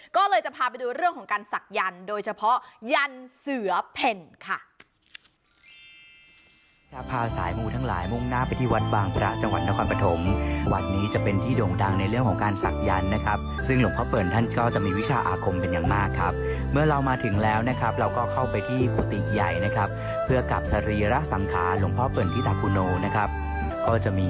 ก็เลยจะพาไปดูเรื่องของการศักยันต์โดยเฉพาะยันเสือเพ่นค่ะ